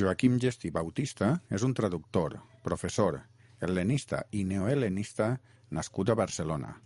Joaquim Gestí Bautista és un traductor, professor, hel·lenista i neohel·lenista nascut a Barcelona.